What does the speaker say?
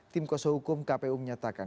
tim kuasa hukum kpu menyatakan